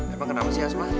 emang kenapa sih asma